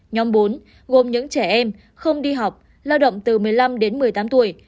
nhóm bốn gồm những trẻ em không đi học lao động từ một mươi năm đến một mươi tám tuổi